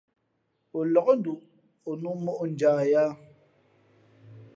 O lǎk nduʼ, o nū mǒʼ njah yāā.